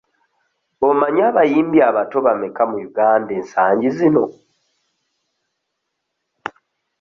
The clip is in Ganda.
Omanyi abayimbi abato bameka mu Uganda ensangi zino?